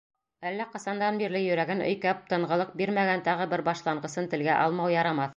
Әллә ҡасандан бирле йөрәген өйкәп, тынғылыҡ бирмәгән тағы бер башланғысын телгә алмау ярамаҫ.